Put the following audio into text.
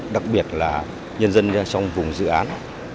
đặc biệt là nhân dân trong vùng dự án